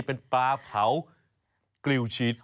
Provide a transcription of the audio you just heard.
เป็นปลาเผากลิวชีส